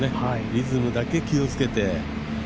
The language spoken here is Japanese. リズムだけ気をつけて。